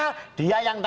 kalau untuk garuda